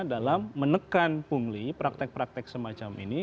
dalam menekan pungli praktek praktek semacam ini